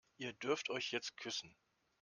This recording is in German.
Ihr dürft euch jetzt küssen.